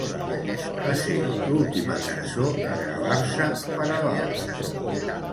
Va ser l'última cançó a gravar-se per a l'àlbum.